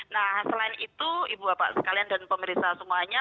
nah selain itu ibu bapak sekalian dan pemerintah semuanya